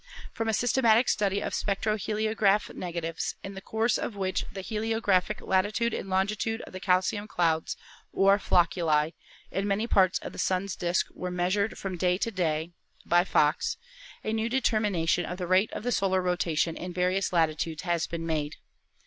... From a systematic study of spectroheliograph negatives, in the course of which the heliographic latitude and longitude of the calcium clouds, or flocculi, in many parts of the Sun's disk were measured from day to day (by Fox), a new determination of the rate of the solar rotation in various latitudes has been made.